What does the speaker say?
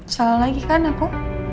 salah lagi kan aku